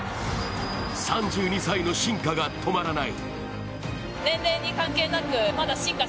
３２歳の進化が止まらない。